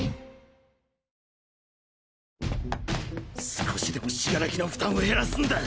少しでも死柄木の負担を減らすんだ！